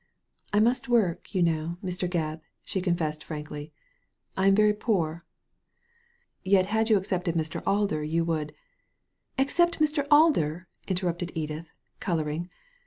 '* I must work, you know, Mr. Gebb,*' she confessed frankly. " I am very poor. " Yet had you accepted Mr. Alder you would "Accept Mr. Alder! '* interrupted Edith, colouring.